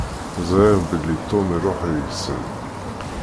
Ẓriɣ belli Tom iruḥ deg-sent.